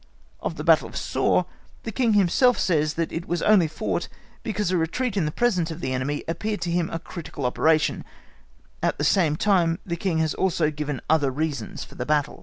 (*) November 5, 1757. Of the battle of Soor,(*) the King himself says that it was only fought because a retreat in the presence of the enemy appeared to him a critical operation; at the same time the King has also given other reasons for the battle.